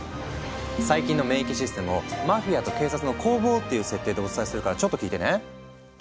細菌の免疫システムをマフィアと警察の攻防っていう設定でお伝えするからちょっと聞いてね。